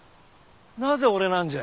なぜ俺なんじゃ？